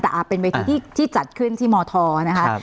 แต่เป็นเวทีที่จัดขึ้นที่มธนะคะ